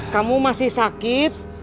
kamu masih sakit